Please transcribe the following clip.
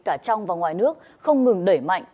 cả trong và ngoài nước không ngừng đẩy mạnh